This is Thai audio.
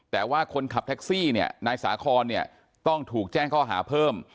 แต่ว่าคนขับแท็กซี่เนี่ยนายสาคอนเนี่ยต้องถูกแจ้งข้อหาเพิ่ม